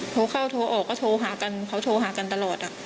โทรเข้าโทรออกก็โทรหากันเขาโทรหากันตลอด